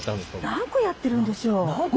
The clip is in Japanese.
何個やってるんでしょう？